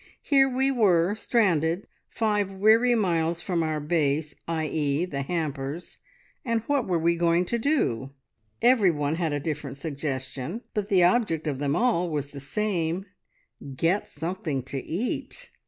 Here we were stranded five weary miles from our base, i.e. the hampers, and what were we going to do? Every one had a different suggestion, but the object of them all was the same get something to eat.